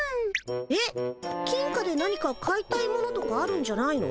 えっ金貨で何か買いたいものとかあるんじゃないの？